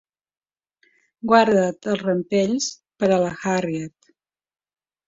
Guarda't els rampells per a la Harriet.